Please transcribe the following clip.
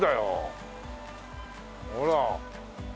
ほら。